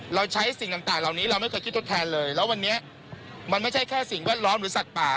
เราใช้สิ่งต่างเหล่านี้เราไม่เคยคิดทดแทนเลยแล้ววันนี้มันไม่ใช่แค่สิ่งแวดล้อมหรือสัตว์ป่า